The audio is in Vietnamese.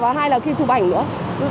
và hai là khi chụp ảnh nữa